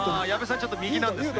ちょっと右なんですね。